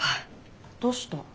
どうした？